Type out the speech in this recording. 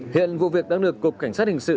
hiện vụ việc đang được cục cảnh sát hình sự